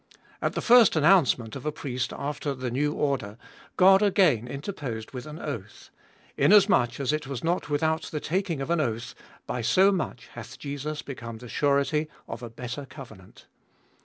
At the first announcement of a priest after the new order, God again interposed with an oath : inasmuch as it was not without the taking of an oath, by so much hath Jesus become the surety of a better covenant.